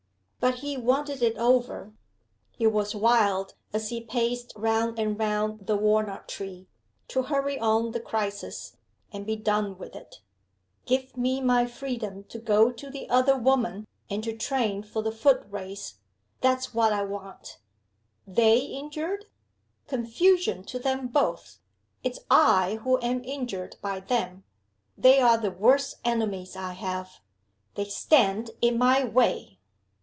But he wanted it over. He was wild, as he paced round and round the walnut tree, to hurry on the crisis and be done with it. Give me my freedom to go to the other woman, and to train for the foot race that's what I want. They injured? Confusion to them both! It's I who am injured by them. They are the worst enemies I have! They stand in my way.